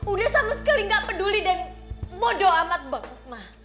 udah sama sekali gak peduli dan bodo amat banget ma